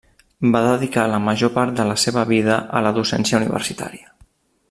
Va dedicar la major part de la seva vida a la docència universitària.